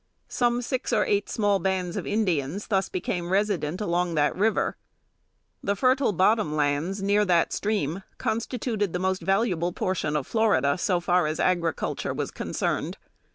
Some six or eight small bands of Indians thus became resident along that river. The fertile bottom lands, near that stream, constituted the most valuable portion of Florida, so far as agriculture was concerned.